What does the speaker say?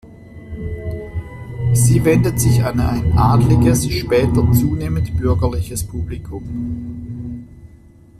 Sie wendet sich an ein adliges, später zunehmend bürgerliches Publikum.